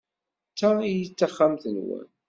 D ta ay d taxxamt-nwen?